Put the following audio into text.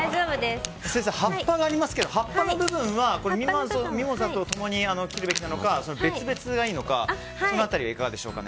先生、葉っぱがありますけど葉っぱの部分はミモザとともに切るべきなのか別々がいいのかその辺りはいかがでしょうか。